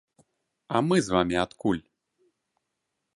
А мы з вамі адкуль?